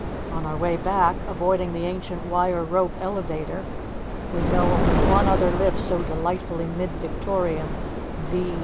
On our way back, avoiding the ancient wire rope elevator (we know only one other lift so delightfully mid Victorian, viz.